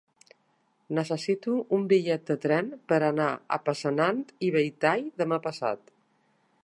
Necessito un bitllet de tren per anar a Passanant i Belltall demà passat.